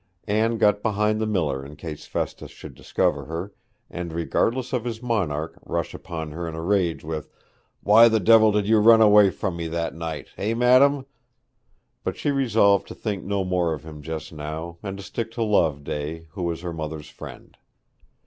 Anne got behind the miller, in case Festus should discover her, and, regardless of his monarch, rush upon her in a rage with, 'Why the devil did you run away from me that night hey, madam?' But she resolved to think no more of him just now, and to stick to Loveday, who was her mother's friend.